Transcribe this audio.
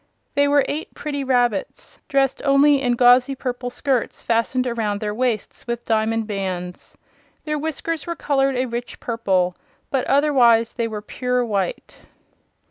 They were eight pretty rabbits dressed only in gauzy purple skirts fastened around their waists with diamond bands. Their whiskers were colored a rich purple, but otherwise they were pure white.